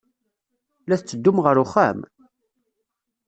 La tetteddum ɣer uxxam?